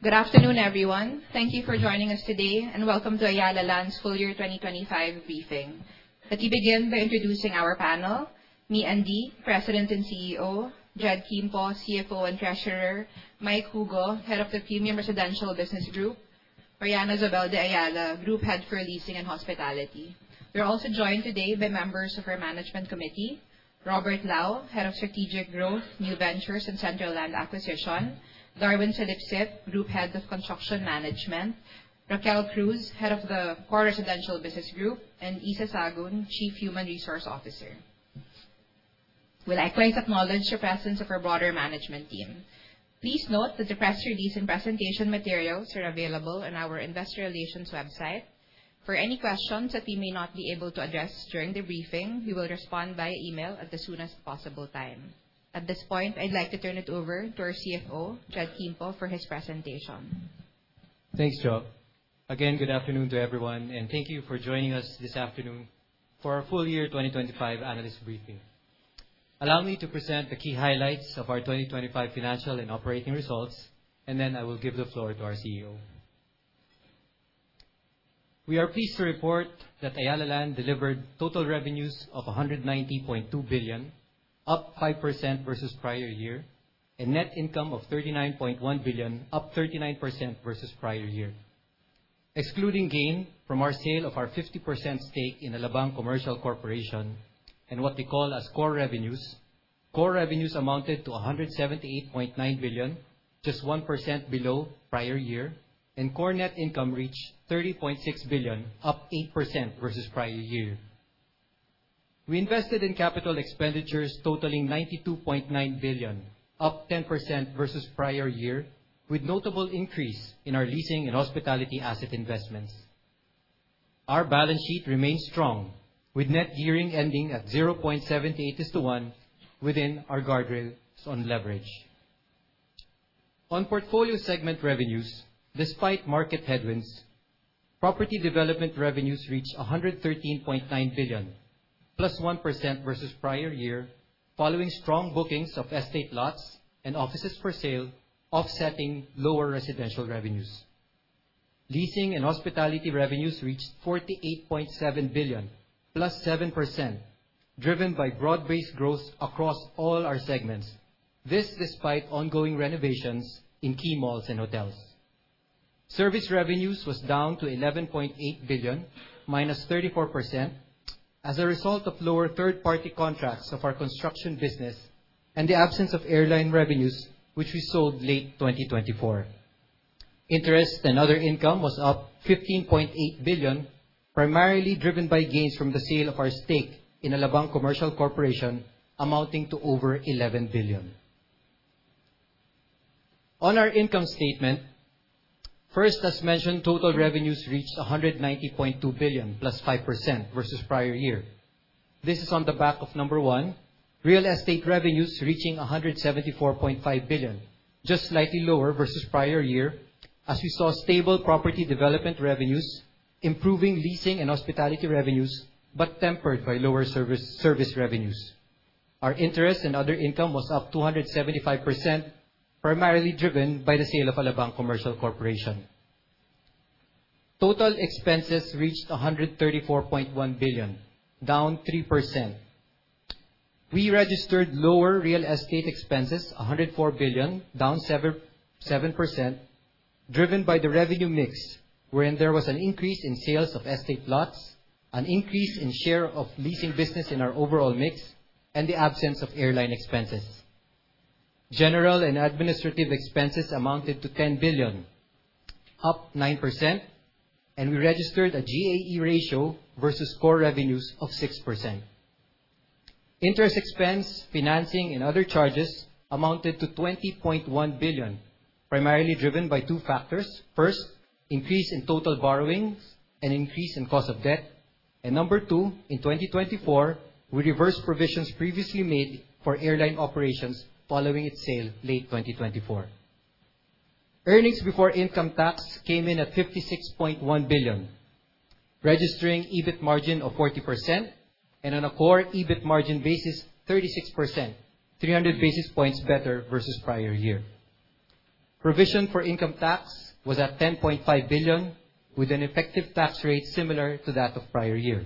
Good afternoon, everyone. Thank you for joining us today and welcome to Ayala Land's Full Year 2025 briefing. Let me begin by introducing our panel. Me, Andy, President and CEO. Jed Kimpo, CFO and Treasurer. Mike Hugo, Head of the Premium Residential Business Group. Mariana Zobel de Ayala, Group Head for Leasing and Hospitality. We are also joined today by members of our management committee, Robert S. Lao, Head of Strategic Growth, New Ventures, and Central Land Acquisition. Darwin L. Salipsip, Group Head of Construction Management. Raquel S. Cruz, Head of the Core Residential Business Group, and Isabel D. Sagun, Chief Human Resources Officer. Will I please acknowledge the presence of our broader management team. Please note that the press release and presentation materials are available on our investor relations website. For any questions that we may not be able to address during the briefing, we will respond via email at the soonest possible time. At this point, I'd like to turn it over to our CFO, Jed Kimpo, for his presentation. Thanks, Jo. Again, good afternoon to everyone, and thank you for joining us this afternoon for our full year 2025 analyst briefing. Allow me to present the key highlights of our 2025 financial and operating results, and then I will give the floor to our CEO. We are pleased to report that Ayala Land delivered total revenues of 190.2 billion, up 5% versus prior year, and net income of 39.1 billion, up 39% versus prior year. Excluding gain from our sale of our 50% stake in Alabang Commercial Corporation and what we call as core revenues, core revenues amounted to 178.9 billion, just 1% below prior year, and core net income reached 30.6 billion, up 8% versus prior year. We invested in CapEx totaling 92.9 billion, up 10% versus prior year, with notable increase in our leasing and hospitality asset investments. Our balance sheet remains strong with net gearing ending at 0.78:1 within our guardrails on leverage. On portfolio segment revenues, despite market headwinds, property development revenues reached 113.9 billion, +1% versus prior year, following strong bookings of estate lots and offices for sale offsetting lower residential revenues. Leasing and hospitality revenues reached 48.7 billion, +7%, driven by broad-based growth across all our segments. This despite ongoing renovations in key malls and hotels. Service revenues was down to 11.8 billion, -34%, as a result of lower third-party contracts of our construction business and the absence of airline revenues, which we sold late 2024. Interest and other income was up 15.8 billion, primarily driven by gains from the sale of our stake in Alabang Commercial Corporation amounting to over 11 billion. On our income statement, first, as mentioned, total revenues reached 190.2 billion, +5% versus prior year. This is on the back of number 1, real estate revenues reaching 174.5 billion, just slightly lower versus prior year, as we saw stable property development revenues improving leasing and hospitality revenues, but tempered by lower service revenues. Our interest in other income was up 275%, primarily driven by the sale of Alabang Commercial Corporation. Total expenses reached 134.1 billion, -3%. We registered lower real estate expenses, 104 billion, -7%, driven by the revenue mix, wherein there was an increase in sales of estate lots, an increase in share of leasing business in our overall mix, and the absence of airline expenses. General and administrative expenses amounted to 10 billion, +9%, and we registered a G&A ratio versus core revenues of 6%. Interest expense financing and other charges amounted to 20.1 billion, primarily driven by 2 factors. First, increase in total borrowings and increase in cost of debt. Number 2, in 2024, we reversed provisions previously made for airline operations following its sale late 2024. Earnings before income tax came in at 56.1 billion, registering EBIT margin of 40% and on a core EBIT margin basis, 36%, 300 basis points better versus prior year. Provision for income tax was at 10.5 billion with an effective tax rate similar to that of prior year.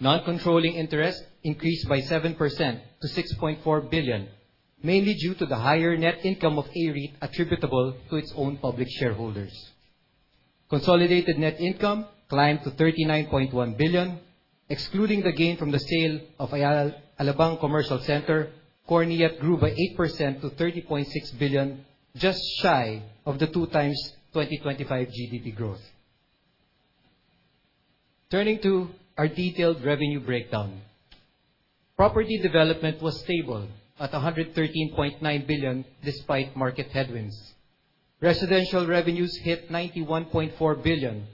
Non-controlling interest increased by 7% to 6.4 billion, mainly due to the higher net income of AREIT attributable to its own public shareholders. Consolidated net income climbed to 39.1 billion, excluding the gain from the sale of Alabang Commercial Corporation, core net grew by 8% to 30.6 billion, just shy of the 2 times 2025 GDP growth. Turning to our detailed revenue breakdown. Property development was stable at 113.9 billion despite market headwinds. Residential revenues hit 91.4 billion,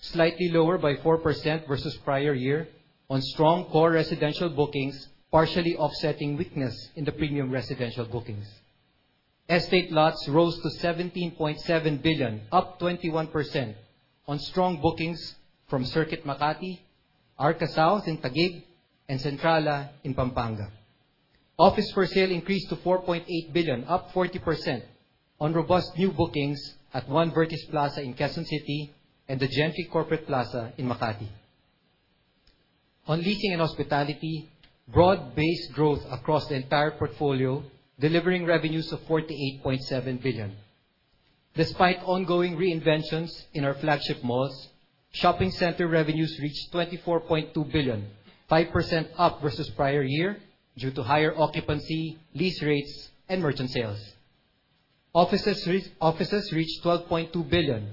slightly lower by 4% versus prior year on strong core residential bookings, partially offsetting weakness in the premium residential bookings. Estate lots rose to 17.7 billion, +21% on strong bookings from Circuit Makati, Arca South in Taguig, and Centrala in Pampanga. Office for sale increased to 4.8 billion, +40% on robust new bookings at One Vertis Plaza in Quezon City and The Gentry Corporate Plaza in Makati. On leasing and hospitality, broad-based growth across the entire portfolio, delivering revenues of 48.7 billion. Despite ongoing reinventions in our flagship malls, shopping center revenues reached 24.2 billion, 5% up versus prior year due to higher occupancy, lease rates, and merchant sales. Offices reached 12.2 billion,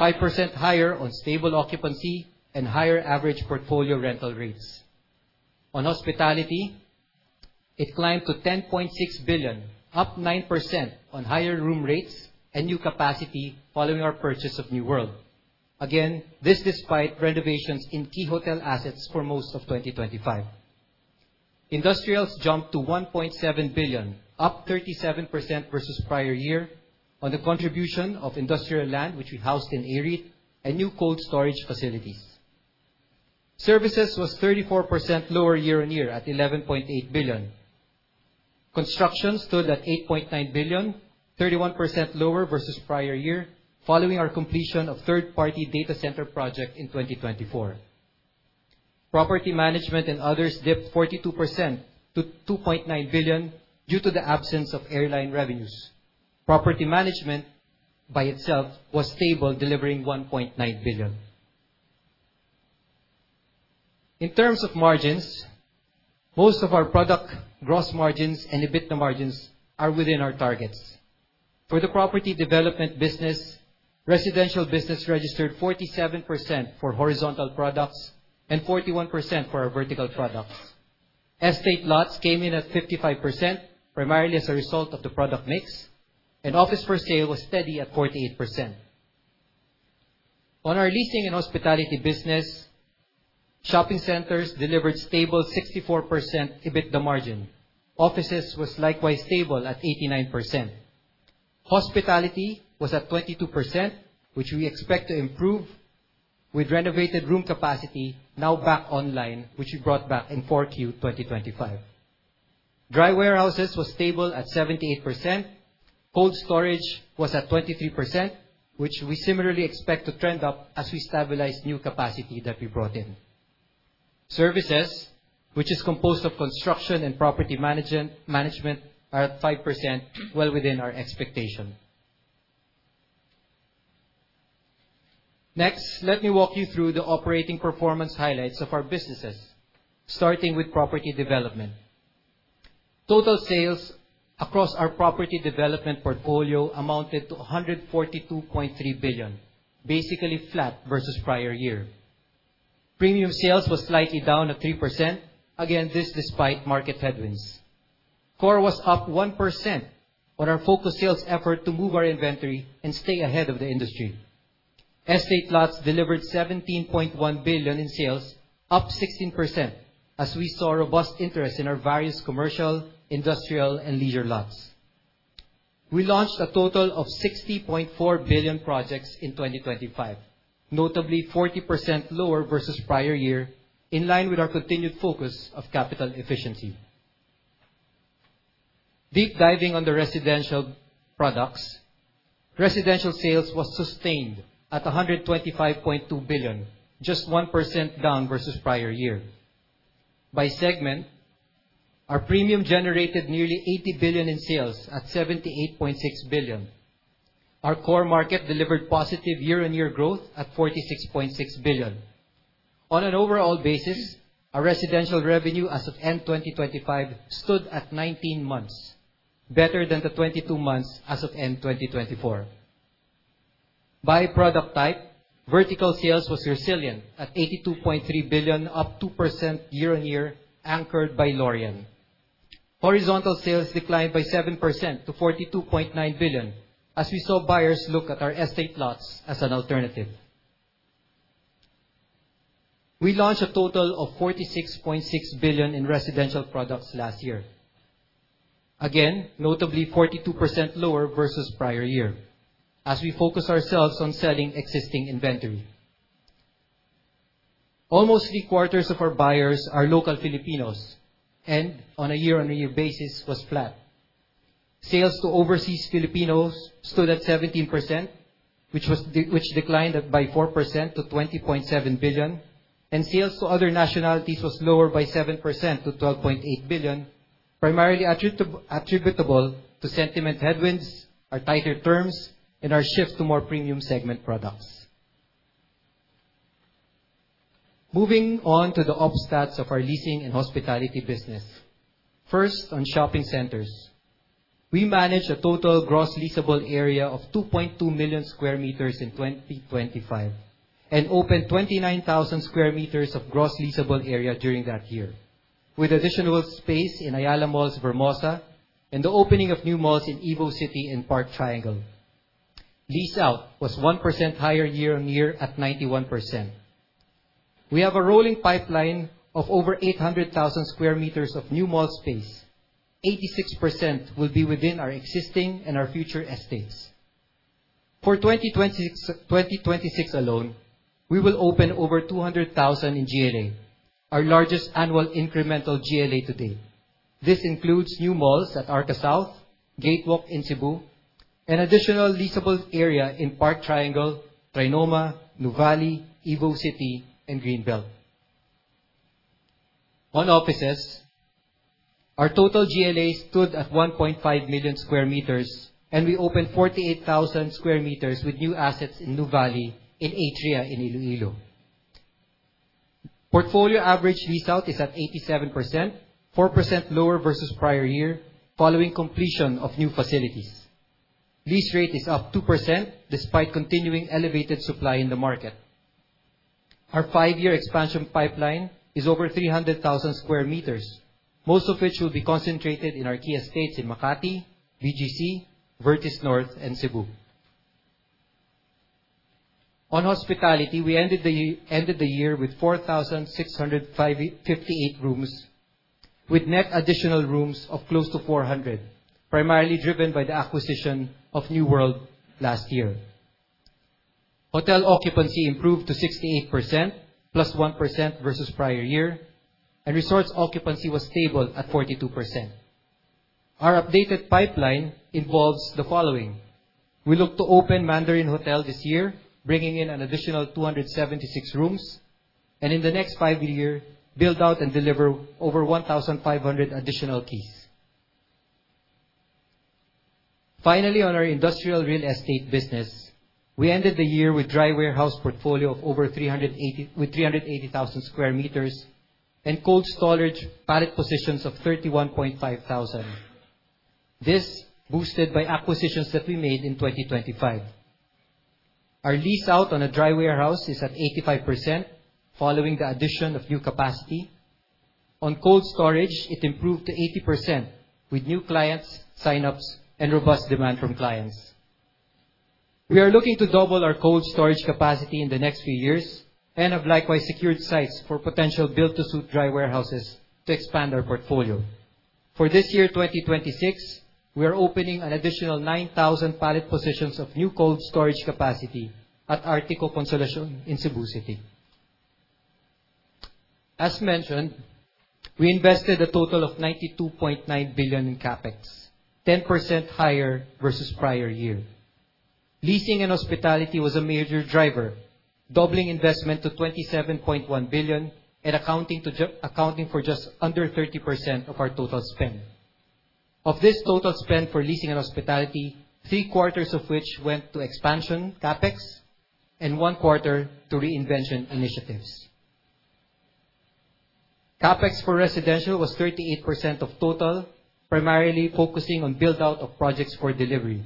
5% higher on stable occupancy and higher average portfolio rental rates. On hospitality, it climbed to 10.6 billion, +9% on higher room rates and new capacity following our purchase of New World Makati Hotel. Again, this despite renovations in key hotel assets for most of 2025. Industrials jumped to 1.7 billion, +37% versus prior year on the contribution of industrial land, which we housed in Aera, and new cold storage facilities. Services was 34% lower year-on-year at 11.8 billion. Construction stood at 8.9 billion, 31% lower versus prior year following our completion of third-party data center project in 2024. Property management and others dipped 42% to 2.9 billion due to the absence of airline revenues. Property management by itself was stable, delivering 1.9 billion. In terms of margins, most of our product gross margins and EBITDA margins are within our targets. For the property development business, residential business registered 47% for horizontal products and 41% for our vertical products. Estate lots came in at 55%, primarily as a result of the product mix, and office for sale was steady at 48%. On our leasing and hospitality business, shopping centers delivered stable 64% EBITDA margin. Offices was likewise stable at 89%. Hospitality was at 22%, which we expect to improve with renovated room capacity now back online, which we brought back in 4Q 2025. Dry warehouses was stable at 78%. Cold storage was at 23%, which we similarly expect to trend up as we stabilize new capacity that we brought in. Services, which is composed of construction and property management, are at 5%, well within our expectation. Next, let me walk you through the operating performance highlights of our businesses, starting with property development. Total sales across our property development portfolio amounted to 142.3 billion, basically flat versus prior year. Premium sales was slightly down at 3%. Again, this despite market headwinds. Core was up 1% on our focused sales effort to move our inventory and stay ahead of the industry. Estate lots delivered 17.1 billion in sales, up 16%, as we saw robust interest in our various commercial, industrial, and leisure lots. We launched a total of 60.4 billion projects in 2025, notably 40% lower versus prior year in line with our continued focus of capital efficiency. Deep diving on the residential products, residential sales was sustained at 125.2 billion, just 1% down versus prior year. By segment, our premium generated nearly 80 billion in sales at 78.6 billion. Our core market delivered positive year-on-year growth at 46.6 billion. On an overall basis, our residential revenue as of end 2025 stood at 19 months, better than the 22 months as of end 2024. By product type, vertical sales was resilient at 82.3 billion, up 2% year-on-year, anchored by Loria. Horizontal sales declined by 7% to 42.9 billion as we saw buyers look at our estate lots as an alternative. We launched a total of 46.6 billion in residential products last year. Again, notably 42% lower versus prior year as we focus ourselves on selling existing inventory. Almost three-quarters of our buyers are local Filipinos and on a year-on-year basis was flat. Sales to overseas Filipinos stood at 17%, which declined by 4% to 20.7 billion, and sales to other nationalities was lower by 7% to 12.8 billion, primarily attributable to sentiment headwinds or tighter terms and our shifts to more premium segment products. Moving on to the op stats of our leasing and hospitality business. First, on shopping centers, we manage a total gross leasable area of 2.2 million sq m in 2025 and opened 29,000 sq m of gross leasable area during that year with additional space in Ayala Malls Vermosa and the opening of new malls in Evo City and Park Triangle. Lease out was 1% higher year-on-year at 91%. We have a rolling pipeline of over 800,000 sq m of new mall space, 86% will be within our existing and our future estates. For 2026 alone, we will open over 200,000 in GLA, our largest annual incremental GLA to date. This includes new malls at Arca South, Gatewalk in Cebu, an additional leasable area in Park Triangle, Trinoma, Nuvali, Evo City, and Greenbelt. On offices, our total GLA stood at 1.5 million square meters, and we opened 48,000 square meters with new assets in Nuvali in Atria in Iloilo. Portfolio average lease-out is at 87%, 4% lower versus prior year following completion of new facilities. Lease rate is up 2% despite continuing elevated supply in the market. Our five-year expansion pipeline is over 300,000 square meters, most of which will be concentrated in our key estates in Makati, BGC, Vertis North, and Cebu. On hospitality, we ended the year with 4,658 rooms with net additional rooms of close to 400, primarily driven by the acquisition of New World last year. Hotel occupancy improved to 68%, plus 1% versus prior year, and resorts occupancy was stable at 42%. Our updated pipeline involves the following. We look to open Mandarin Hotel this year, bringing in an additional 276 rooms, and in the next five years, build out and deliver over 1,500 additional keys. Finally, on our industrial real estate business, we ended the year with dry warehouse portfolio with 380,000 square meters and cold storage pallet positions of 31,500. This boosted by acquisitions that we made in 2025. Our lease out on a dry warehouse is at 85%, following the addition of new capacity. On cold storage, it improved to 80% with new clients, sign-ups, and robust demand from clients. We are looking to double our cold storage capacity in the next few years and have likewise secured sites for potential build-to-suit dry warehouses to expand our portfolio. For this year, 2026, we are opening an additional 9,000 pallet positions of new cold storage capacity at Arctico Consolacion in Cebu City. As mentioned, we invested a total of 92.9 billion in CapEx, 10% higher versus prior year. Leasing and hospitality was a major driver, doubling investment to 27.1 billion and accounting for just under 30% of our total spend. Of this total spend for leasing and hospitality, three-quarters of which went to expansion CapEx and one-quarter to reinvention initiatives. CapEx for residential was 38% of total, primarily focusing on build-out of projects for delivery.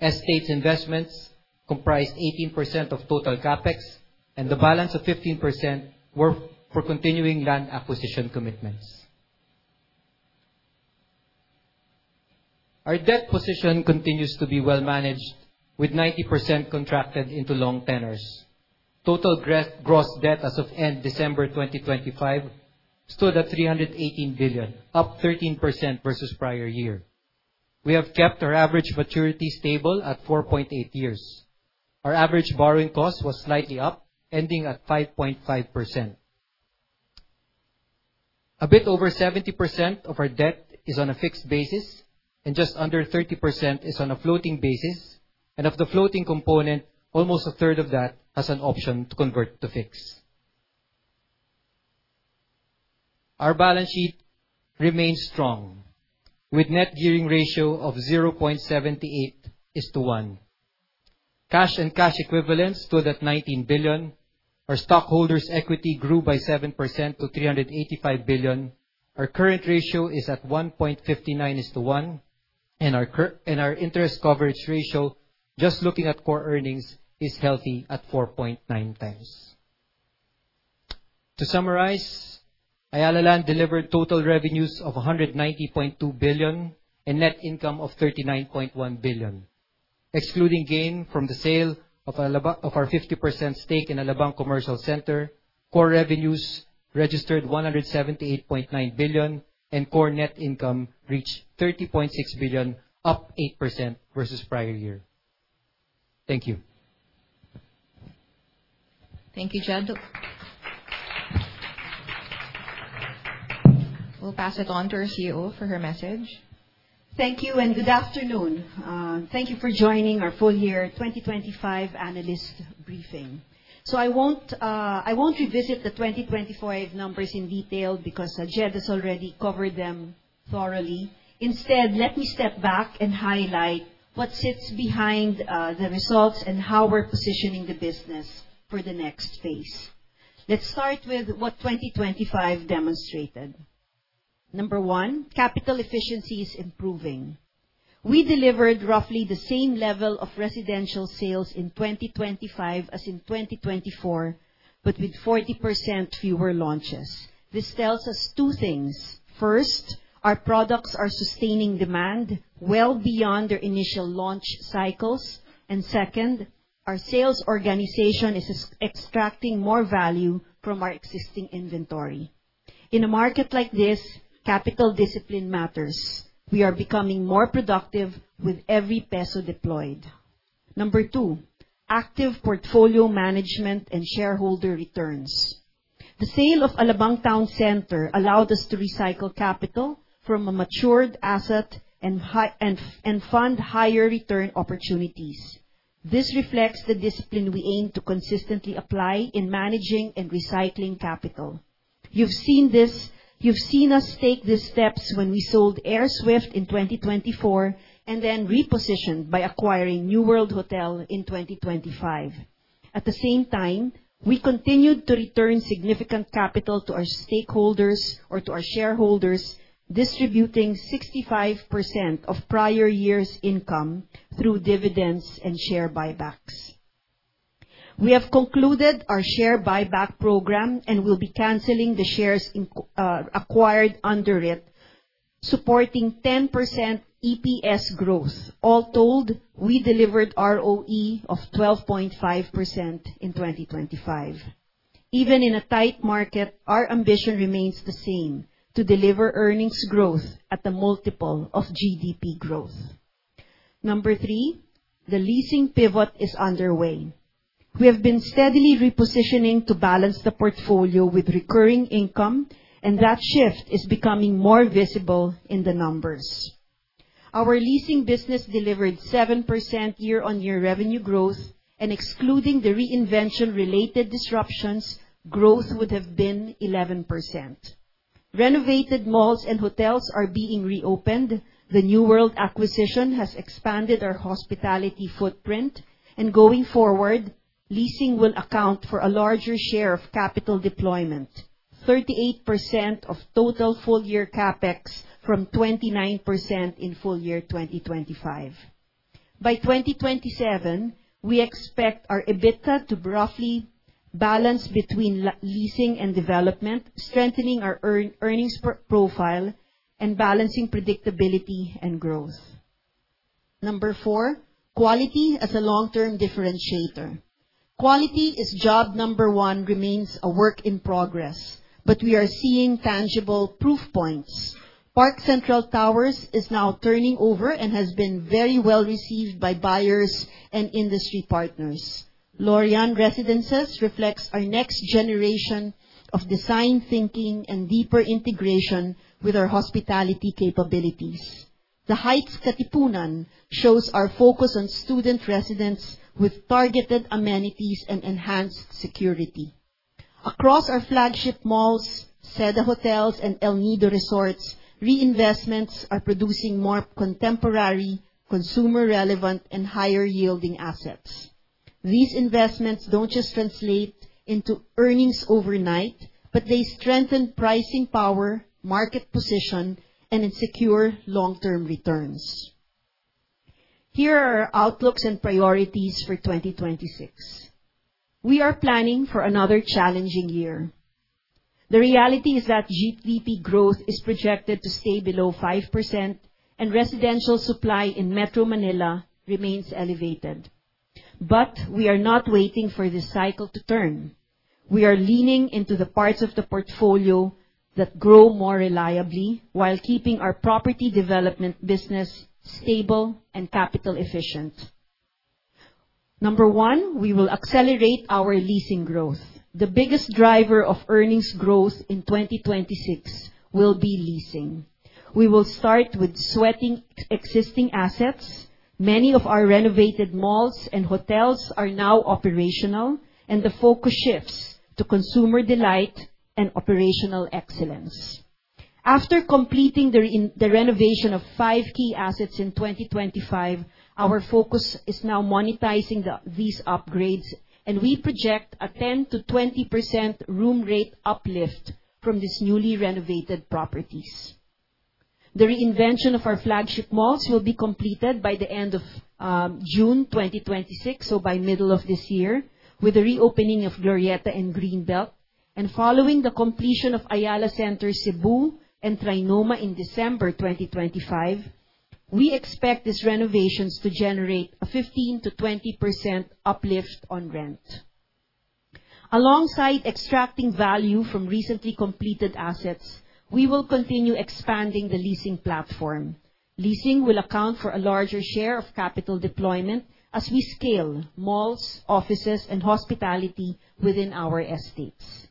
Estates investments comprised 18% of total CapEx and the balance of 15% were for continuing land acquisition commitments. Our debt position continues to be well managed with 90% contracted into long tenors. Total gross debt as of end December 2025 stood at 318 billion, up 13% versus prior year. We have kept our average maturity stable at 4.8 years. Our average borrowing cost was slightly up, ending at 5.5%. A bit over 70% of our debt is on a fixed basis and just under 30% is on a floating basis. Of the floating component, almost a third of that has an option to convert to fixed. Our balance sheet remains strong with net gearing ratio of 0.78 is to 1. Cash and cash equivalents stood at 19 billion. Our stockholders' equity grew by 7% to 385 billion. Our current ratio is at 1.59 is to 1, our interest coverage ratio, just looking at core earnings, is healthy at 4.9 times. To summarize, Ayala Land delivered total revenues of 190.2 billion and net income of 39.1 billion. Excluding gain from the sale of our 50% stake in Alabang Commercial Corporation, core revenues registered 178.9 billion and core net income reached 30.6 billion, up 8% versus prior year. Thank you. Thank you, Jed. We'll pass it on to our CEO for her message. Thank you and good afternoon. Thank you for joining our full year 2025 analyst briefing. I won't revisit the 2025 numbers in detail because Jed has already covered them thoroughly. Instead, let me step back and highlight what sits behind the results and how we're positioning the business for the next phase. Let's start with what 2025 demonstrated. Number 1, capital efficiency is improving. We delivered roughly the same level of residential sales in 2025 as in 2024, but with 40% fewer launches. This tells us two things. First, our products are sustaining demand well beyond their initial launch cycles. Second, our sales organization is extracting more value from our existing inventory. In a market like this, capital discipline matters. We are becoming more productive with every peso deployed. Number 2, active portfolio management and shareholder returns. The sale of Alabang Town Center allowed us to recycle capital from a matured asset and fund higher return opportunities. This reflects the discipline we aim to consistently apply in managing and recycling capital. You've seen us take these steps when we sold AirSWIFT in 2024 and then repositioned by acquiring New World Hotel in 2025. At the same time, we continued to return significant capital to our stakeholders or to our shareholders, distributing 65% of prior year's income through dividends and share buybacks. We have concluded our share buyback program and will be canceling the shares acquired under it, supporting 10% EPS growth. All told, we delivered ROE of 12.5% in 2025. Even in a tight market, our ambition remains the same: to deliver earnings growth at a multiple of GDP growth. Number 3, the leasing pivot is underway. We have been steadily repositioning to balance the portfolio with recurring income, that shift is becoming more visible in the numbers. Our leasing business delivered 7% year-over-year revenue growth, excluding the reinvention-related disruptions, growth would have been 11%. Renovated malls and hotels are being reopened. The New World acquisition has expanded our hospitality footprint. Going forward, leasing will account for a larger share of capital deployment, 38% of total full year CapEx from 29% in FY 2025. By 2027, we expect our EBITDA to roughly balance between leasing and development, strengthening our earnings profile and balancing predictability and growth. Number four, quality as a long-term differentiator. Quality is job number 1 remains a work in progress, but we are seeing tangible proof points. Park Central Towers is now turning over and has been very well received by buyers and industry partners. Loria Residences reflects our next generation of design thinking and deeper integration with our hospitality capabilities. The Heights Katipunan shows our focus on student residents with targeted amenities and enhanced security. Across our flagship malls, Seda Hotels and El Nido Resorts, reinvestments are producing more contemporary, consumer relevant, and higher yielding assets. These investments do not just translate into earnings overnight, they strengthen pricing power, market position, and ensure long-term returns. Here are our outlooks and priorities for 2026. We are planning for another challenging year. The reality is that GDP growth is projected to stay below 5% and residential supply in Metro Manila remains elevated. We are not waiting for this cycle to turn. We are leaning into the parts of the portfolio that grow more reliably while keeping our property development business stable and capital efficient. Number 1, we will accelerate our leasing growth. The biggest driver of earnings growth in 2026 will be leasing. We will start with sweating existing assets. Many of our renovated malls and hotels are now operational, the focus shifts to consumer delight and operational excellence. After completing the renovation of five key assets in 2025, our focus is now monetizing these upgrades. We project a 10%-20% room rate uplift from these newly renovated properties. The reinvention of our flagship malls will be completed by the end of June 2026, so by middle of this year, with the reopening of Glorietta and Greenbelt, following the completion of Ayala Center Cebu and Trinoma in December 2025. We expect these renovations to generate a 15%-20% uplift on rent. Alongside extracting value from recently completed assets, we will continue expanding the leasing platform. Leasing will account for a larger share of capital deployment as we scale malls, offices, and hospitality within our estates.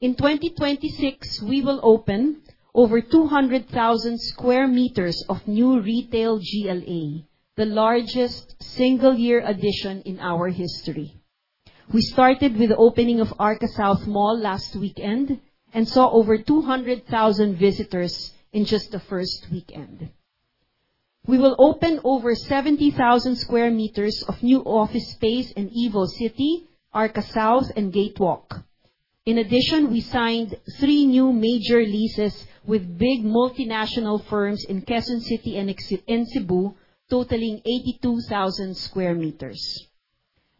In 2026, we will open over 200,000 sq m of new retail GLA, the largest single year addition in our history. We started with the opening of Arca South Mall last weekend and saw over 200,000 visitors in just the first weekend. We will open over 70,000 sq m of new office space in Evo City, Arca South, and Gatewalk. In addition, we signed 3 new major leases with big multinational firms in Quezon City and Cebu, totaling 82,000 sq m.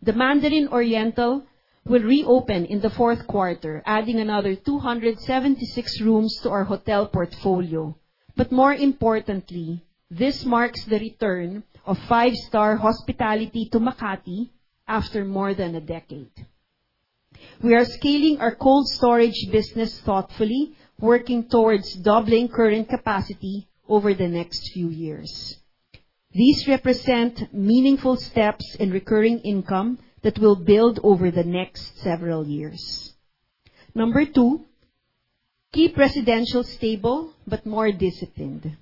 The Mandarin Oriental will reopen in the fourth quarter, adding another 276 rooms to our hotel portfolio. More importantly, this marks the return of 5-star hospitality to Makati after more than a decade. We are scaling our cold storage business thoughtfully, working towards doubling current capacity over the next few years. These represent meaningful steps in recurring income that will build over the next several years. Number two, keep residential stable but more disciplined.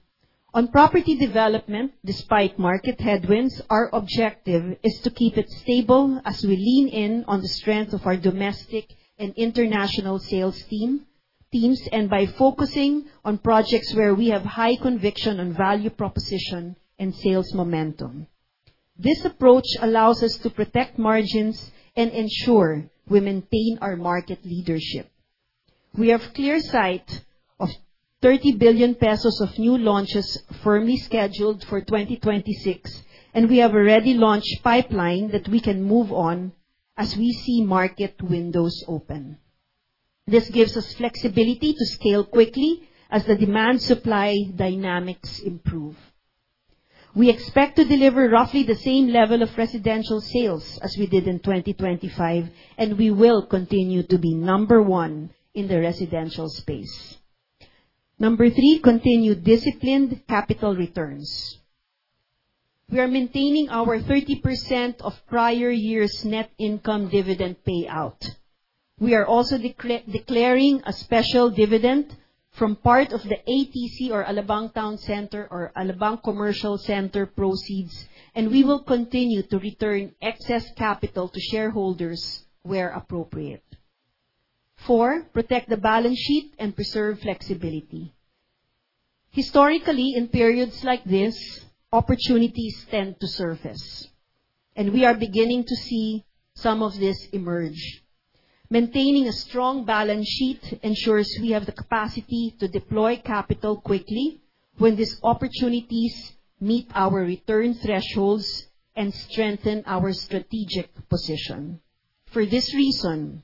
On property development, despite market headwinds, our objective is to keep it stable as we lean in on the strength of our domestic and international sales teams, and by focusing on projects where we have high conviction on value proposition and sales momentum. This approach allows us to protect margins and ensure we maintain our market leadership. We have clear sight of 30 billion pesos of new launches firmly scheduled for 2026, and we have already launched pipeline that we can move on as we see market windows open. This gives us flexibility to scale quickly as the demand-supply dynamics improve. We expect to deliver roughly the same level of residential sales as we did in 2025, and we will continue to be number one in the residential space. Number three, continue disciplined capital returns. We are maintaining our 30% of prior year's net income dividend payout. We are also declaring a special dividend from part of the ATC or Alabang Town Center or Alabang Commercial Center proceeds, and we will continue to return excess capital to shareholders where appropriate. Four, protect the balance sheet and preserve flexibility. Historically, in periods like this, opportunities tend to surface, and we are beginning to see some of this emerge. Maintaining a strong balance sheet ensures we have the capacity to deploy capital quickly when these opportunities meet our return thresholds and strengthen our strategic position. For this reason,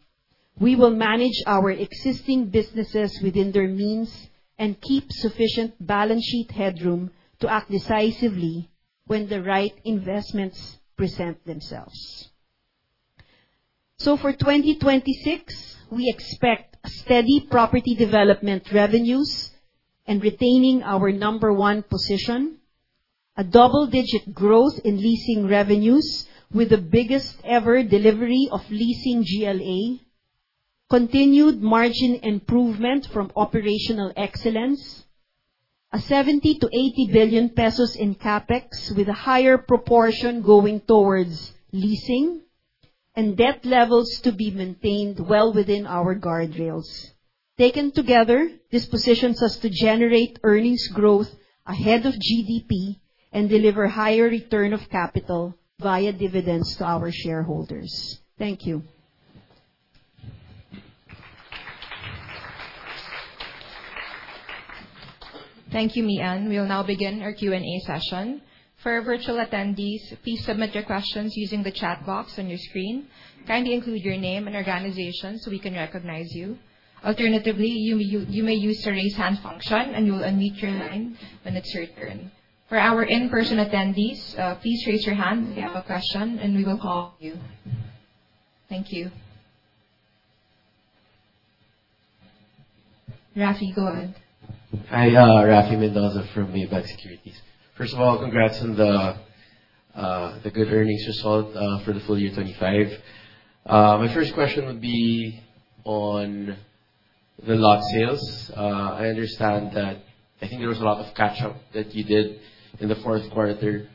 we will manage our existing businesses within their means and keep sufficient balance sheet headroom to act decisively when the right investments present themselves. For 2026, we expect steady property development revenues and retaining our number one position, a double-digit growth in leasing revenues with the biggest ever delivery of leasing GLA, continued margin improvement from operational excellence, 70 billion-80 billion pesos in CapEx, with a higher proportion going towards leasing, and debt levels to be maintained well within our guardrails. Taken together, this positions us to generate earnings growth ahead of GDP and deliver higher return of capital via dividends to our shareholders. Thank you. Thank you, Mian. We'll now begin our Q&A session. For our virtual attendees, please submit your questions using the chat box on your screen. Kindly include your name and organization so we can recognize you. Alternatively, you may use the raise hand function, and you'll unmute your line when it's your turn. For our in-person attendees, please raise your hand if you have a question and we will call on you. Thank you. Raffy, go ahead. Hi, Raffy Mendoza from Maybank Securities. First of all, congrats on the good earnings result for the full year 2025. My first question would be on the lot sales. I understand that I think there was a lot of catch-up that you did in the fourth quarter.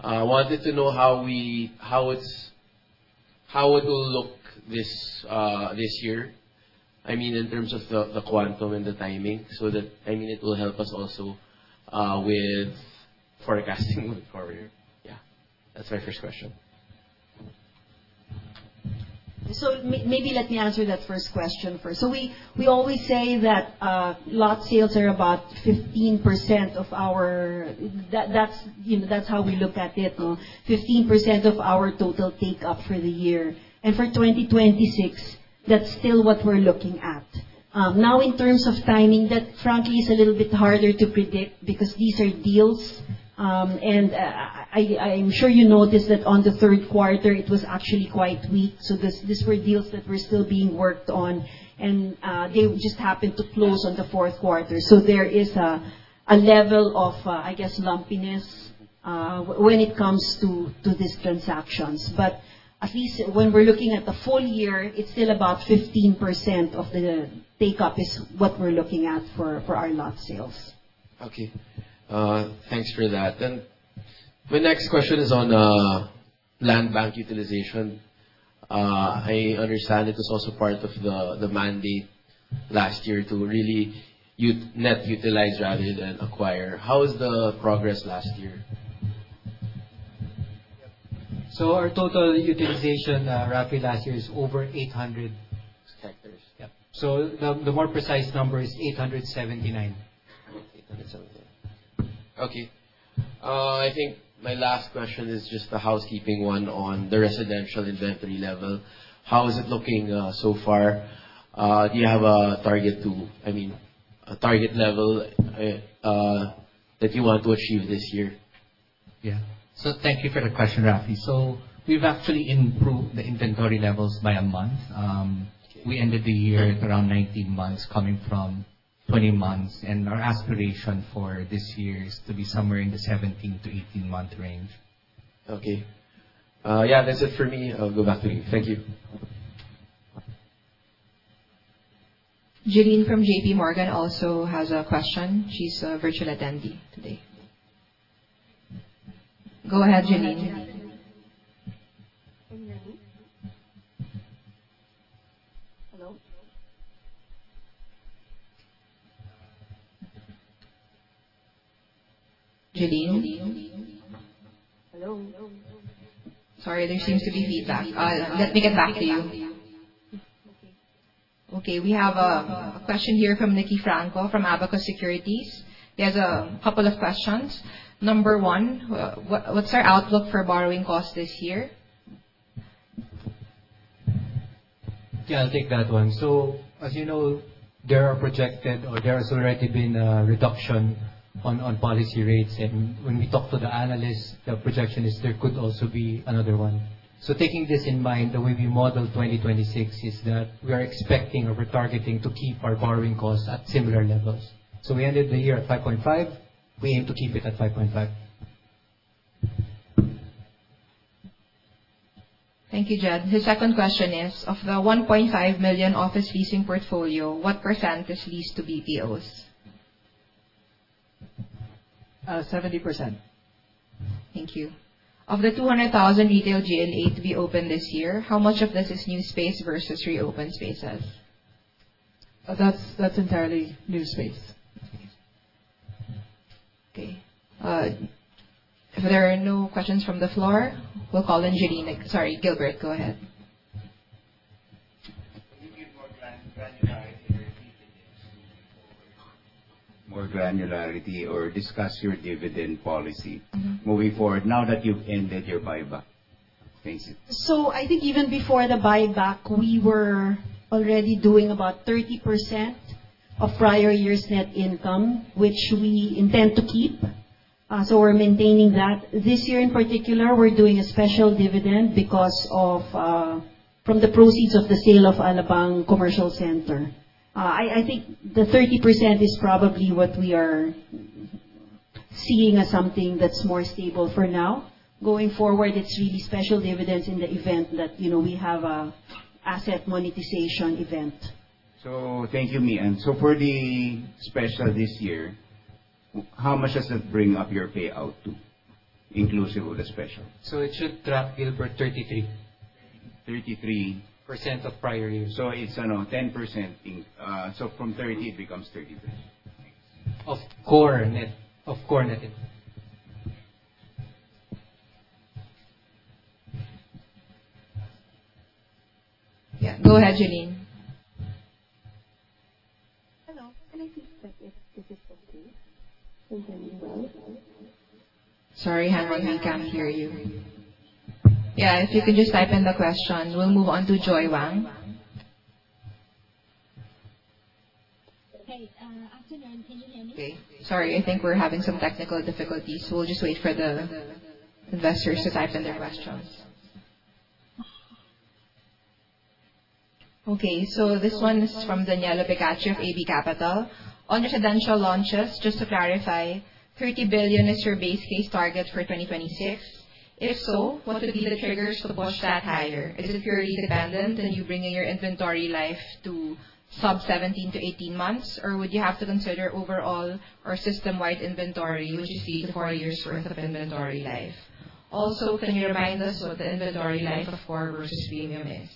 I wanted to know how it will look this year. I mean, in terms of the quantum and the timing, so that it will help us also with forecasting moving forward. Yeah. That's my first question. Maybe let me answer that first question first. We always say that lot sales are about 15% of our-- That's how we look at it. 15% of our total take-up for the year. For 2026, that's still what we're looking at. In terms of timing, that frankly is a little bit harder to predict because these are deals. I'm sure you noticed that on the third quarter, it was actually quite weak. These were deals that were still being worked on, and they just happened to close on the fourth quarter. There is a level of, I guess, lumpiness when it comes to these transactions. At least when we're looking at the full year, it's still about 15% of the take-up is what we're looking at for our lot sales. Okay. Thanks for that. My next question is on land bank utilization. I understand it was also part of the mandate last year to really net utilize rather than acquire. How was the progress last year? Our total utilization, Raffy, last year is over 800. Hectares. Yep. The more precise number is 879. 879. Okay. I think my last question is just a housekeeping one on the residential inventory level. How is it looking so far? Do you have a target level that you want to achieve this year? Yeah. Thank you for the question, Raffy. We've actually improved the inventory levels by a month. We ended the year at around 19 months, coming from 20 months. Our aspiration for this year is to be somewhere in the 17-18 month range. Okay. Yeah, that's it for me. I'll go back to you. Thank you. Janine from JPMorgan also has a question. She's a virtual attendee today. Go ahead, Janine. Are you ready? Hello? Janine? Hello? Sorry, there seems to be feedback. Let me get back to you. Okay. Okay. We have a question here from Nicky Franco, from Abacus Securities. He has a couple of questions. Number 1, what's our outlook for borrowing costs this year? I'll take that one. As you know, there are projected or there has already been a reduction on policy rates. When we talk to the analysts, the projection is there could also be another one. Taking this in mind, the way we model 2026 is that we are expecting or we're targeting to keep our borrowing costs at similar levels. We ended the year at 5.5. We aim to keep it at 5.5. Thank you, Jed. His second question is, of the 1.5 million office leasing portfolio, what % is leased to BPOs? 70%. Thank you. Of the 200,000 retail G&A to be opened this year, how much of this is new space versus reopened spaces? That's entirely new space. Okay. If there are no questions from the floor, we'll call in Janine. Sorry, Gilbert, go ahead. Can you give more granularity or discuss your dividend policy moving forward now that you've ended your buyback, please? I think even before the buyback, we were already doing about 30% of prior year's net income, which we intend to keep. We're maintaining that. This year in particular, we're doing a special dividend from the proceeds of the sale of Alabang Commercial Corporation. I think the 30% is probably what we are seeing as something that's more stable for now. Going forward, it's really special dividends in the event that we have an asset monetization event. Thank you, Mia. For the special this year, how much does it bring up your payout to, inclusive of the special? It should drop Gilbert 33. Thirty-three. % of prior year. It's around 10%. From 30, it becomes 33. Of core net income. Yeah. Go ahead, Janine. Hello. Can I just check if this is okay? Can you hear me well? Sorry, Henry, we can't hear you. If you could just type in the question. We'll move on to Joy Wang. Hey. Afternoon. Can you hear me? Okay. Sorry, I think we're having some technical difficulties. We'll just wait for the investors to type in their questions. Okay. This one is from Daniella Picacho of AV Capital. On residential launches, just to clarify, 30 billion is your base case target for 2026? If so, what would be the triggers to push that higher? Is it purely dependent on you bringing your inventory life to sub 17-18 months? Would you have to consider overall or system-wide inventory, which you see to four years worth of inventory life? Can you remind us what the inventory life of core versus premium is?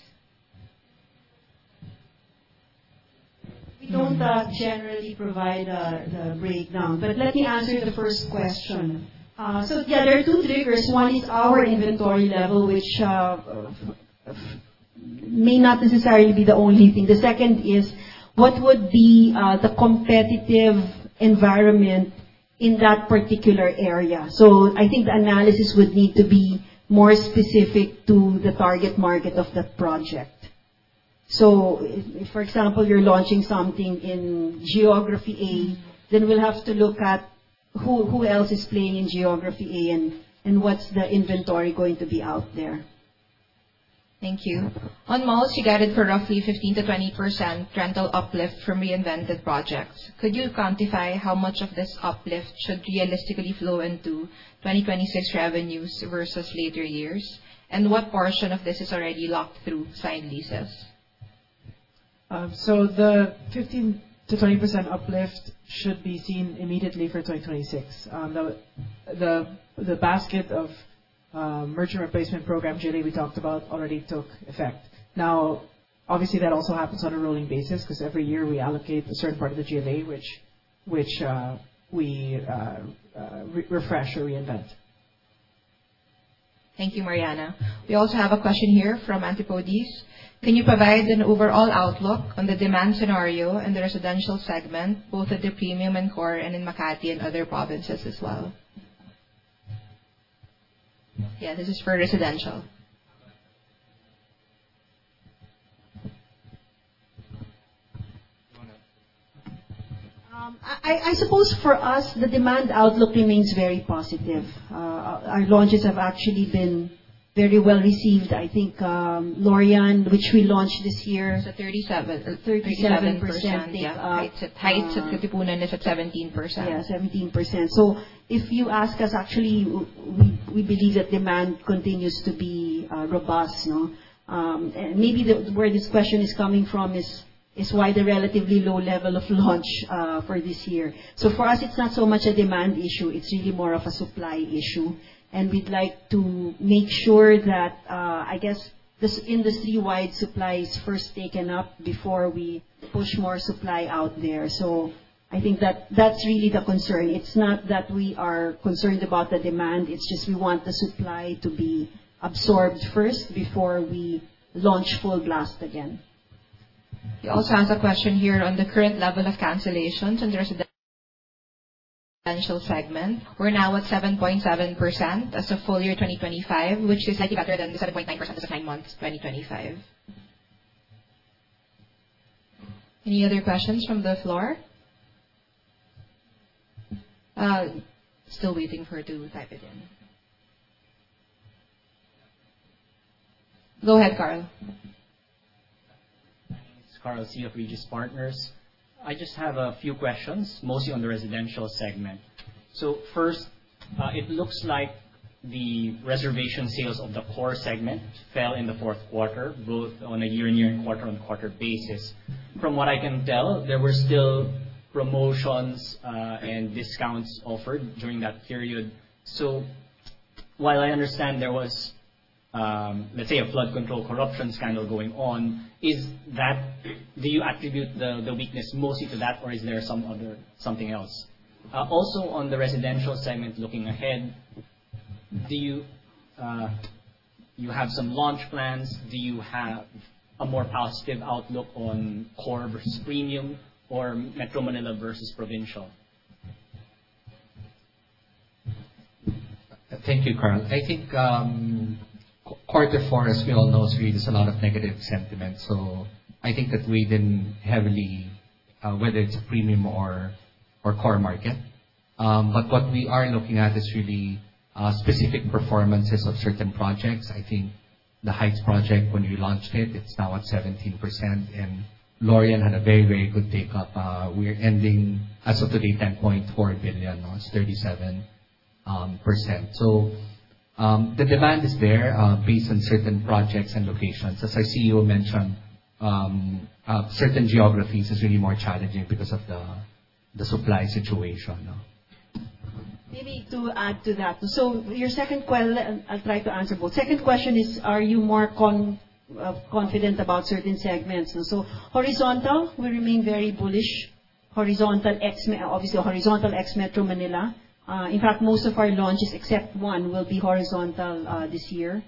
We don't generally provide the breakdown. Let me answer the first question. Yeah, there are two triggers. One is our inventory level, which may not necessarily be the only thing. The second is what would be the competitive environment in that particular area. I think the analysis would need to be more specific to the target market of that project. For example, you're launching something in geography A, we'll have to look at who else is playing in geography A and what's the inventory going to be out there. Thank you. On malls, you guided for roughly 15%-20% rental uplift from reinvented projects. Could you quantify how much of this uplift should realistically flow into 2026 revenues versus later years? What portion of this is already locked through signed leases? The 15%-20% uplift should be seen immediately for 2026. The basket of merchant replacement program, Julie, we talked about already took effect. Obviously that also happens on a rolling basis because every year we allocate a certain part of the GLA, which we refresh or reinvent. Thank you, Mariana. We also have a question here from Antipodes. Can you provide an overall outlook on the demand scenario in the residential segment, both at the premium and core and in Makati and other provinces as well? Yeah, this is for residential. I suppose for us, the demand outlook remains very positive. Our launches have actually been very well-received. I think Loria, which we launched this year. 37. 37% take up. 37%, yeah. The Heights Katipunan is at 17%. Yeah, 17%. If you ask us, actually, we believe that demand continues to be robust. Maybe where this question is coming from is why the relatively low level of launch for this year. For us, it's not so much a demand issue. It's really more of a supply issue. We'd like to make sure that, I guess the industry-wide supply is first taken up before we push more supply out there. I think that's really the concern. It's not that we are concerned about the demand. It's just we want the supply to be absorbed first before we launch full blast again. We also have a question here on the current level of cancellations in the residential segment. We're now at 7.7% as of full year 2025, which is slightly better than the 7.9% as of nine months 2025. Any other questions from the floor? Still waiting for her to type it in. Go ahead, Carl. Hi, this is Carl Sy of Regis Partners. I just have a few questions, mostly on the residential segment. First, it looks like the reservation sales of the core segment fell in the fourth quarter, both on a year-on-year and quarter-on-quarter basis. From what I can tell, there were still promotions and discounts offered during that period. While I understand there was, let's say, a flood control corruption scandal going on, do you attribute the weakness mostly to that or is there something else? Also on the residential segment looking ahead, do you have some launch plans? Do you have a more positive outlook on core versus premium or Metro Manila versus provincial? Thank you, Carl. I think quarter four, as we all know, there's a lot of negative sentiment. I think that weighed in heavily whether it's a premium or core market. What we are looking at is really specific performances of certain projects. I think The Heights project when we launched it's now at 17%, and Loria had a very good take-up. We're ending as of today, 10.4 billion. It's 37%. The demand is there based on certain projects and locations. As our CEO mentioned, certain geographies are really more challenging because of the supply situation. Maybe to add to that. I'll try to answer both. Second question is, are you more confident about certain segments? Horizontal, we remain very bullish. Obviously horizontal ex-Metro Manila. In fact, most of our launches except one will be horizontal this year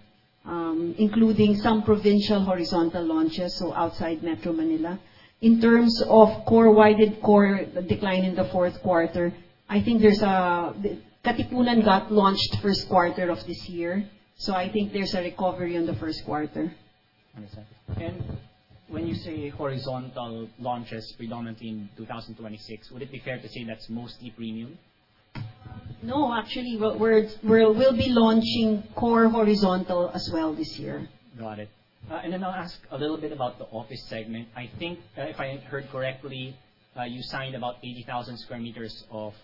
including some provincial horizontal launches, outside Metro Manila. In terms of core, why did core decline in the fourth quarter? I think Katipunan got launched first quarter of this year, I think there's a recovery in the first quarter. Understood. When you say horizontal launches predominantly in 2026, would it be fair to say that's mostly premium? No, actually. We'll be launching core horizontal as well this year. Got it. I'll ask a little bit about the office segment. I think if I heard correctly, you signed about 80,000 sq m of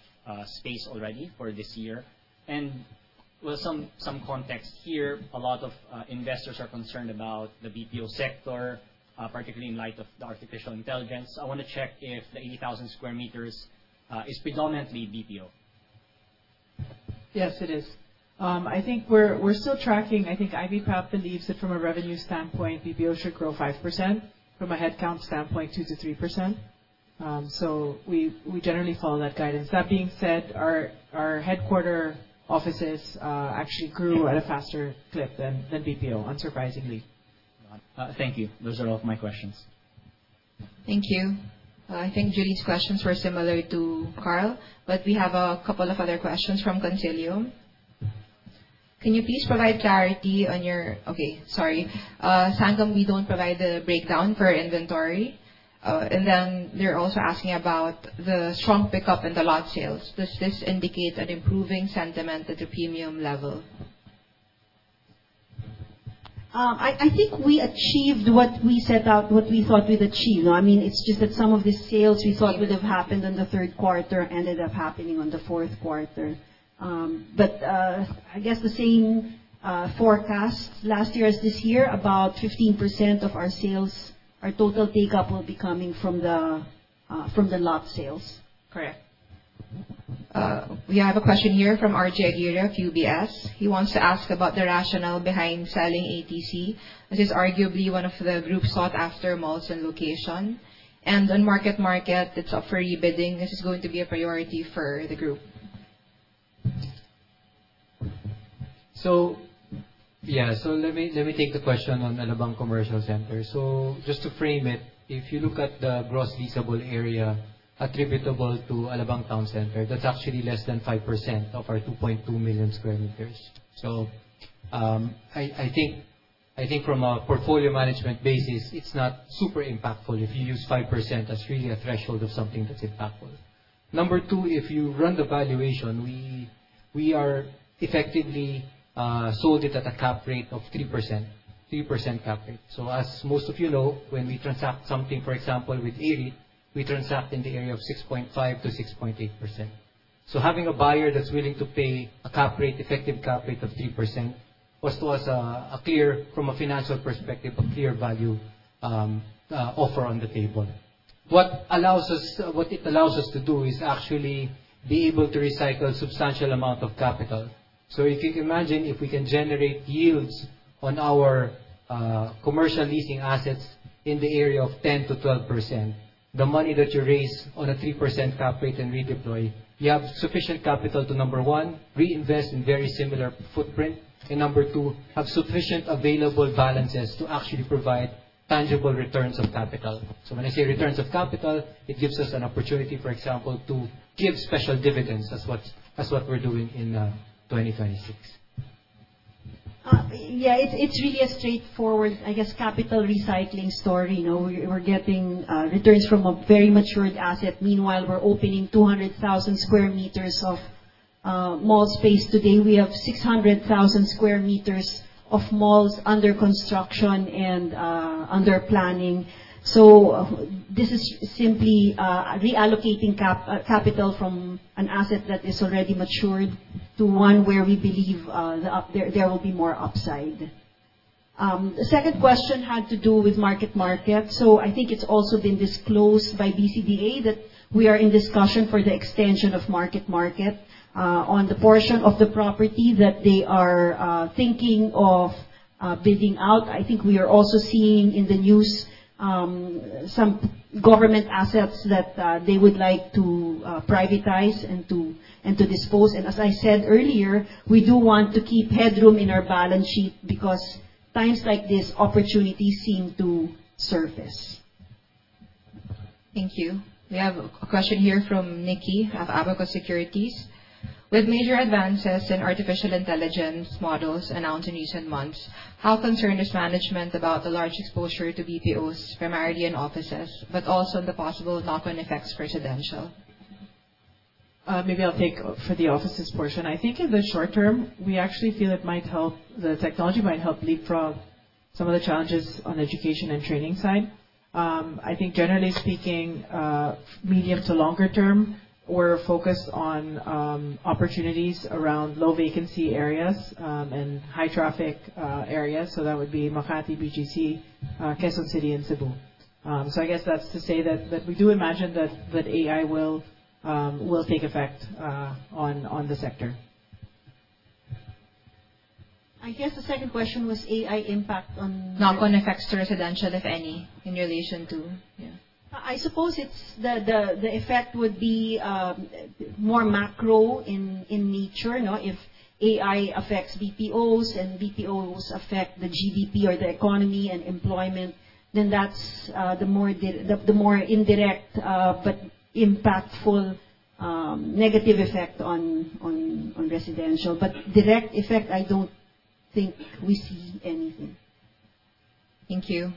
space already for this year. With some context here, a lot of investors are concerned about the BPO sector, particularly in light of the artificial intelligence. I want to check if the 80,000 sq m is predominantly BPO. Yes, it is. I think we're still tracking. I think IBPAP believes that from a revenue standpoint, BPO should grow 5%, from a headcount standpoint, 2%-3%. We generally follow that guidance. That being said, our headquarter offices actually grew at a faster clip than BPO, unsurprisingly. Thank you. Those are all of my questions. Thank you. I think Judy's questions were similar to Carl, but we have a couple of other questions from Consilium. Can you please provide clarity on your. Sangam, we don't provide the breakdown for inventory. They're also asking about the strong pickup in the lot sales. Does this indicate an improving sentiment at the premium level? I think we achieved what we thought we'd achieve. It's just that some of the sales we thought would have happened in the third quarter ended up happening in the fourth quarter. I guess the same forecast last year as this year, about 15% of our sales, our total take-up will be coming from the lot sales. Correct. We have a question here from RJ Aguirre of UBS. He wants to ask about the rationale behind selling ATC, which is arguably one of the group's sought-after malls and location. On Market Market, it's up for rebidding. This is going to be a priority for the group. Let me take the question on Alabang Commercial Corporation. Just to frame it, if you look at the gross leasable area attributable to Alabang Town Center, that's actually less than 5% of our 2.2 million square meters. I think from a portfolio management basis, it's not super impactful if you use 5%, that's really a threshold of something that's impactful. Number two, if you run the valuation, we are effectively sold it at a cap rate of 3%. As most of you know, when we transact something, for example, with AREIT, we transact in the area of 6.5%-6.8%. Having a buyer that's willing to pay an effective cap rate of 3% was to us, from a financial perspective, a clear value offer on the table. What it allows us to do is actually be able to recycle substantial amount of capital. If you can imagine if we can generate yields on our commercial leasing assets in the area of 10%-12%, the money that you raise on a 3% cap rate and redeploy, you have sufficient capital to number 1, reinvest in very similar footprint. Number 2, have sufficient available balances to actually provide tangible returns of capital. When I say returns of capital, it gives us an opportunity, for example, to give special dividends as what we're doing in 2026. Yeah. It's really a straightforward, I guess, capital recycling story. We're getting returns from a very matured asset. Meanwhile, we're opening 200,000 sq m of mall space today. We have 600,000 sq m of malls under construction and under planning. This is simply reallocating capital from an asset that is already matured to one where we believe there will be more upside. Second question had to do with Market Market. I think it's also been disclosed by BCDA that we are in discussion for the extension of Market Market on the portion of the property that they are thinking of bidding out. I think we are also seeing in the news some government assets that they would like to privatize and to dispose. As I said earlier, we do want to keep headroom in our balance sheet because times like this, opportunities seem to surface. Thank you. We have a question here from Nicky of Abacus Securities. With major advances in artificial intelligence models announced in recent months, how concerned is management about the large exposure to BPOs primarily in offices, but also the possible knock-on effects for residential? Maybe I'll take for the offices portion. I think in the short term, we actually feel the technology might help leapfrog some of the challenges on education and training side. I think generally speaking, medium to longer term, we're focused on opportunities around low vacancy areas and high traffic areas. That would be Makati BGC, Quezon City, and Cebu. I guess that's to say that we do imagine that AREIT will take effect on the sector. I guess the second question was AREIT impact on- Knock-on effects to residential, if any, in relation to. Yeah. I suppose the effect would be more macro in nature. If AREIT affects BPOs and BPOs affect the GDP or the economy and employment, then that's the more indirect but impactful negative effect on residential. Direct effect, I don't think we see anything. Thank you.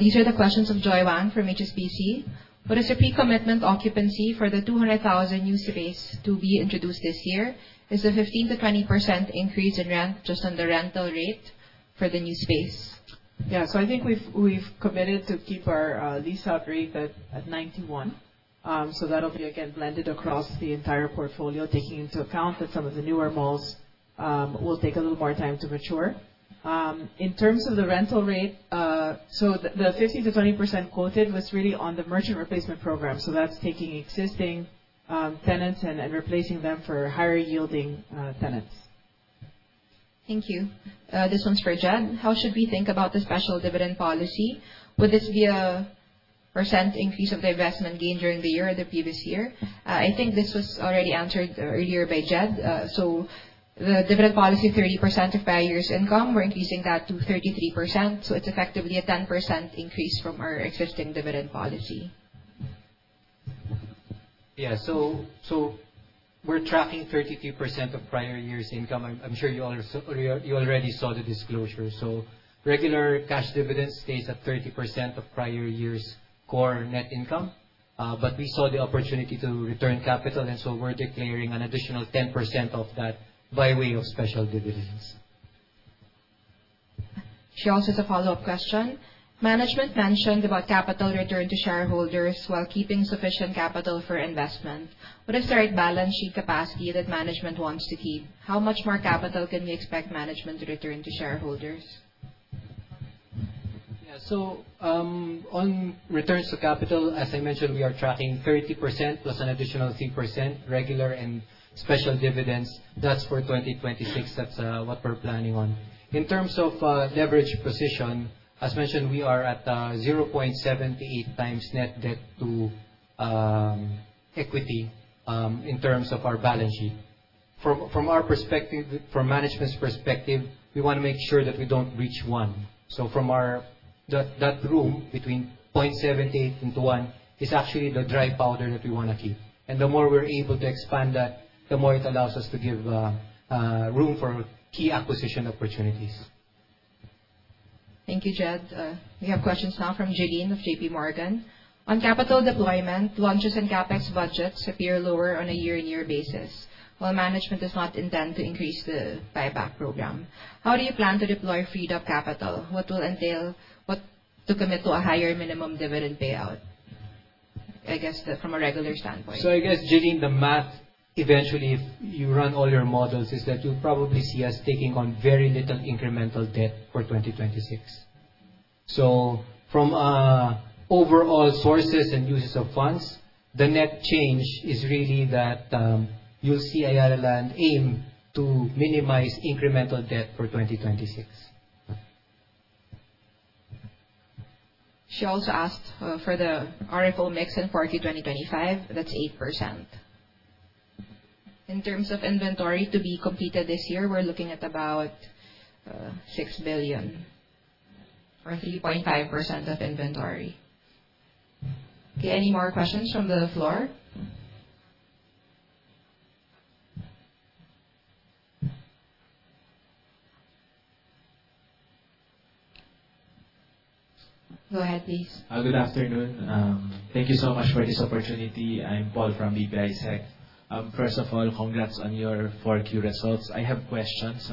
These are the questions of Joy Wang from HSBC. What is the pre-commitment occupancy for the 200,000 new space to be introduced this year? Is the 15%-20% increase in rent just on the rental rate for the new space? Yeah. I think we've committed to keep our lease out rate at 91. That'll be again blended across the entire portfolio, taking into account that some of the newer malls will take a little more time to mature. In terms of the rental rate, the 15%-20% quoted was really on the merchant replacement program. That's taking existing tenants and replacing them for higher yielding tenants. Thank you. This one's for Jed. How should we think about the special dividend policy? Would this be a % increase of the investment gain during the year or the previous year? I think this was already answered earlier by Jed. The dividend policy, 30% of prior year's income, we're increasing that to 33%. It's effectively a 10% increase from our existing dividend policy. Yeah. We're tracking 33% of prior year's income. I'm sure you already saw the disclosure. Regular cash dividend stays at 30% of prior year's core net income. We saw the opportunity to return capital, and so we're declaring an additional 10% of that by way of special dividends. She also has a follow-up question. Management mentioned about capital return to shareholders while keeping sufficient capital for investment. What is the right balance sheet capacity that management wants to keep? How much more capital can we expect management to return to shareholders? Yeah. On returns to capital, as I mentioned, we are tracking 30% plus an additional 3% regular and special dividends. That's for 2026. That's what we're planning on. In terms of leverage position, as mentioned, we are at 0.78 times net debt to- equity in terms of our balance sheet. From management's perspective, we want to make sure that we don't reach 1. From that room between 0.78 into 1 is actually the dry powder that we want to keep. The more we're able to expand that, the more it allows us to give room for key acquisition opportunities. Thank you, Jed. We have questions now from Jane of JPMorgan. On capital deployment, launches and CapEx budgets appear lower on a year-on-year basis, while management does not intend to increase the buyback program. How do you plan to deploy freed-up capital? What will entail to commit to a higher minimum dividend payout? I guess from a regular standpoint. I guess, Jane, the math eventually, if you run all your models, is that you'll probably see us taking on very little incremental debt for 2026. From overall sources and uses of funds, the net change is really that you'll see Ayala Land aim to minimize incremental debt for 2026. She also asked for the RFO mix in 4Q 2025. That's 8%. In terms of inventory to be completed this year, we're looking at about 6 billion or 3.5% of inventory. Okay, any more questions from the floor? Go ahead, please. Good afternoon. Thank you so much for this opportunity. I'm Paul from BPI Sec. First of all, congrats on your 4Q results. I have questions.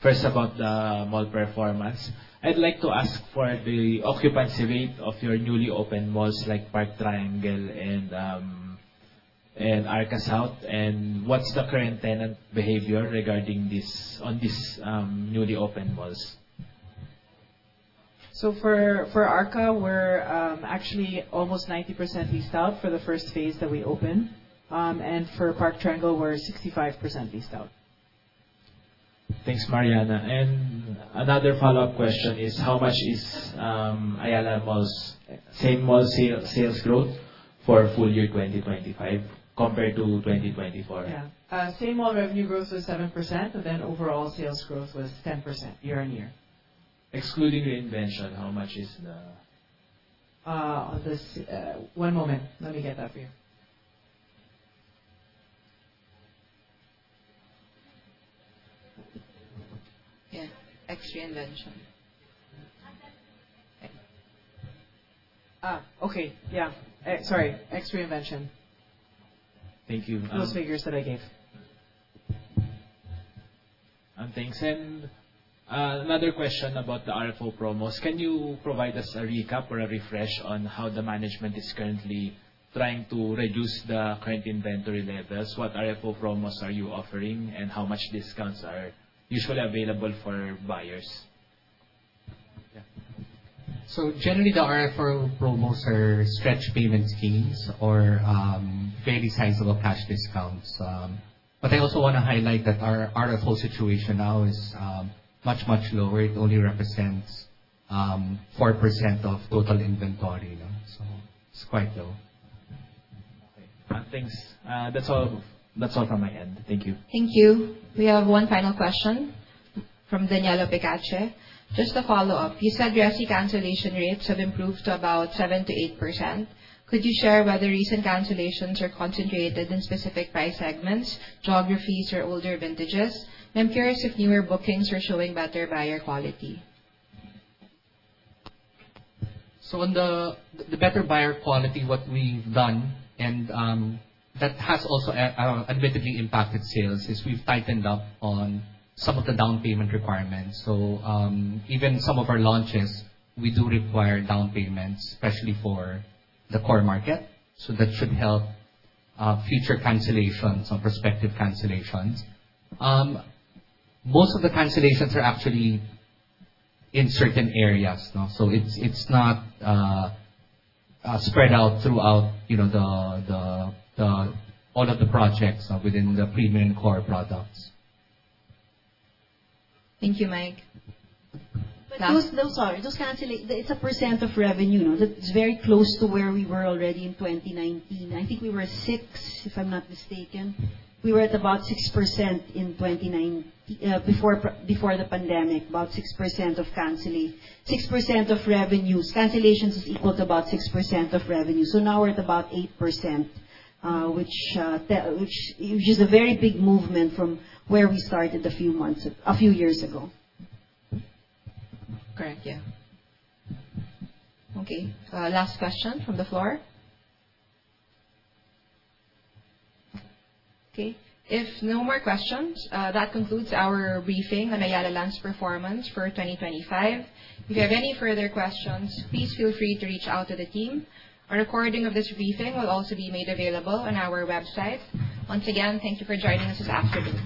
First, about the mall performance. I'd like to ask for the occupancy rate of your newly opened malls like Park Triangle and Arca South, and what's the current tenant behavior regarding on these newly opened malls? For Arca, we're actually almost 90% leased out for the phase 1 that we opened. For Park Triangle, we're 65% leased out. Thanks, Mariana. Another follow-up question is how much is Ayala Malls' same-mall sales growth for full-year 2025 compared to 2024? Yeah. Same-mall revenue growth was 7%, overall sales growth was 10% year-on-year. Excluding the reinvention, how much is the- One moment. Let me get that for you. Yeah. Ex-reinvention. Okay. Yeah. Sorry. Ex-reinvention. Thank you. Those figures that I gave. Thanks. Another question about the RFO promos. Can you provide us a recap or a refresh on how the management is currently trying to reduce the current inventory levels? What RFO promos are you offering, and how much discounts are usually available for buyers? Generally, the RFO promos are stretch payment schemes or very sizable cash discounts. I also want to highlight that our RFO situation now is much, much lower. It only represents 4% of total inventory. It's quite low. Okay. Thanks. That's all from my end. Thank you. Thank you. We have one final question from Daniella Pecache. Just a follow-up. You said your cancellation rates have improved to about 7%-8%. Could you share whether recent cancellations are concentrated in specific price segments, geographies, or older vintages? I'm curious if newer bookings are showing better buyer quality. On the better buyer quality, what we've done, and that has also admittedly impacted sales, is we've tightened up on some of the down payment requirements. Even some of our launches, we do require down payments, especially for the core market. That should help future cancellations or prospective cancellations. Most of the cancellations are actually in certain areas. It's not spread out throughout all of the projects within the premium core products. Thank you, Mike. Sorry. Those cancellations, it's a percent of revenue. It's very close to where we were already in 2019. I think we were 6%, if I'm not mistaken. We were at about 6% before the pandemic. About 6% of revenues. Cancellations is equal to about 6% of revenue. Now we're at about 8%, which is a very big movement from where we started a few years ago. Correct. Yeah. Last question from the floor. If no more questions, that concludes our briefing on Ayala Land's performance for 2025. If you have any further questions, please feel free to reach out to the team. A recording of this briefing will also be made available on our website. Once again, thank you for joining us this afternoon.